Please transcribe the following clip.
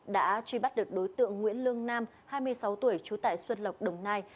đã truy bắt được đối tượng nguyễn lương nam hai mươi sáu tuổi trú tại xuân lộc đồng nai